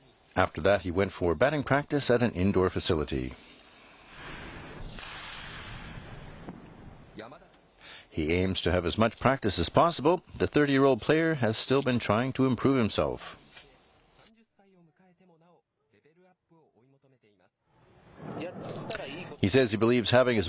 ＷＢＣも見据え、３０歳を迎えてもなお、レベルアップを追い求めています。